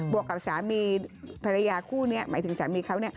วกกับสามีภรรยาคู่นี้หมายถึงสามีเขา